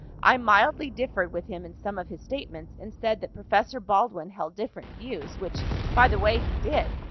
I mildly differed with him in some of his statements, and said that Professor Baldwin held different views, which, by the way, he did.